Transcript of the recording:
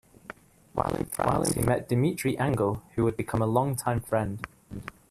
While in France, he met Dimitrie Anghel, who would become a long-time friend.